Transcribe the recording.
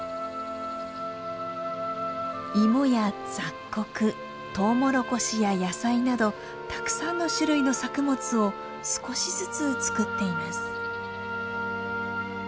芋や雑穀とうもろこしや野菜などたくさんの種類の作物を少しずつつくっています。